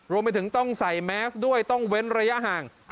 รวมไปถึงต้องใส่แมสด้วยต้องเว้นระยะห่าง